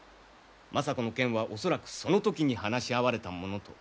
政子の件は恐らくその時に話し合われたものと。